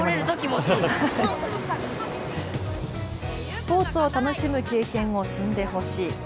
スポーツを楽しむ経験を積んでほしい。